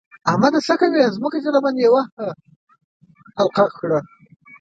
احمده! څه کوې؛ ځمکه دې راباندې يوه حقله کړه.